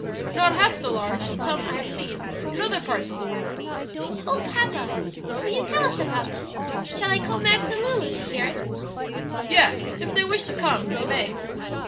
"Not half so large as some I have seen in other parts of the world." "Oh, papa, will you tell us about them? Shall I call Max and Lulu to hear it?" "Yes; if they wish to come, they may."